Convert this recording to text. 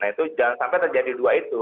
nah itu jangan sampai terjadi dua itu